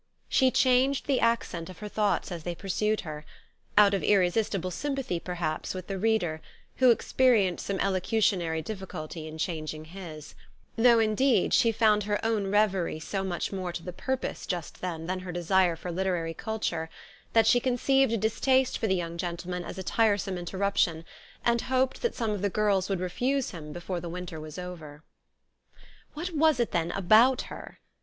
She changed the accent of her thoughts as they pursued her ; out of irresistible sympathy, perhaps with the reader, who experienced some elocutionary difficulty in changing his ; though, indeed, she found her own revery so much more to the purpose just then than her desire for literary culture, that she conceived a distaste for the 3 r oung gentleman as a tiresome interruption, and hoped that some of the girls would refuse him before the winter was over. 7 8 THE STORY OF AVIS. What was it then about her?